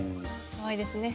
かわいいですね。